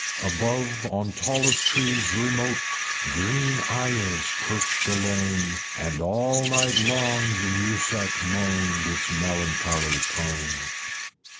Above, on tallest trees remote Green Ayahs perched alone, And all night long the Mussak moan'd Its melancholy tone.